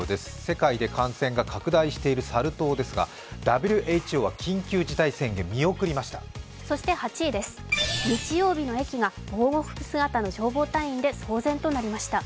世界で感染が拡大しているサル痘ですがＷＨＯは緊急事態宣言を見送りました